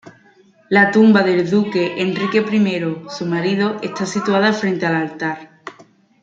La tumba del Duque Enrique I, su marido, está situada frente al altar.